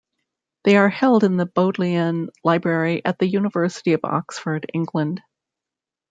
They are held in the Bodleian Library, at the University of Oxford, England.